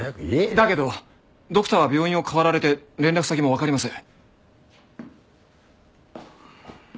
だけどドクターは病院を変わられて連絡先もわかりません。